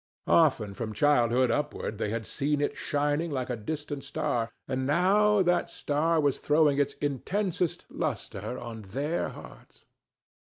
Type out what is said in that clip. Often from childhood upward they had seen it shining like a distant star, and now that star was throwing its intensest lustre on their hearts.